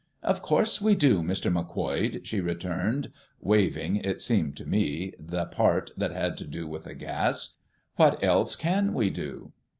"Of course we do, Mr. Macquoid," she returned, waiving, it seemed to me, the part that had to do with the gas. "What else can we do?"